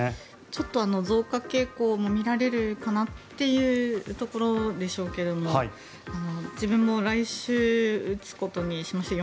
ちょっと増加傾向も見られるかなというところでしょうけど自分も来週打つことにしました。